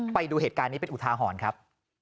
ไปดูเหตุการณ์นี้เป็นอุทาหรณ์ครับ